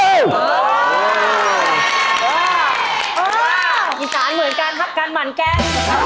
อีสานเหมือนกันครับการหมั่นแกง